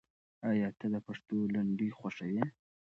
آیا ته د پښتو لنډۍ خوښوې؟